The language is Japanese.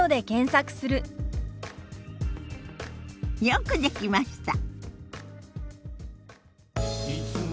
よくできました。